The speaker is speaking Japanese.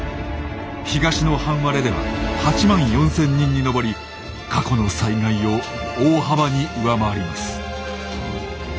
東の半割れでは８万４，０００人に上り過去の災害を大幅に上回ります。